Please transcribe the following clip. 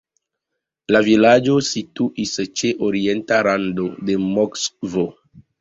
La vilaĝo situis ĉe orienta rando de Moskvo.